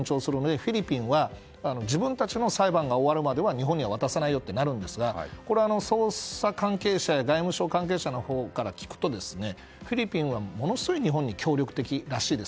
フィリピンは自分たちの裁判が終わるまでは日本には渡さないよとなるんですが捜査関係者や外務省関係者のほうから聞くとフィリピンはものすごい日本に協力的らしいです。